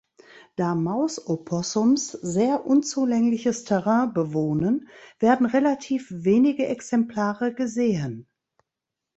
Da Mausopossums sehr unzugängliches Terrain bewohnen, werden relativ wenige Exemplare gesehen.